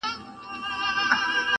څه کلونه بېخبره وم له ځانه!.